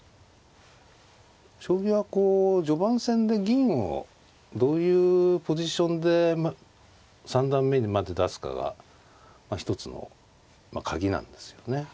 将棋はこう序盤戦で銀をどういうポジションで三段目にまず出すかが一つの鍵なんですよね。